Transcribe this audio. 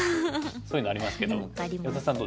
そういうのありますけど安田さん